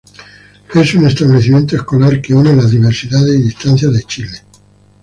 Es un establecimiento escolar que une las diversidades y distancias de Chile.